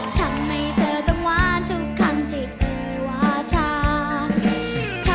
ทำให้เธอต้องว้านทุกคำใจไว้วาชา